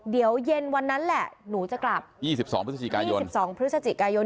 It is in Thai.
เดี๋ยวเย็นวันนั้นแหละหนูจะกลับยี่สิบสองพฤศจิกายนยี่สิบสองพฤศจิกายน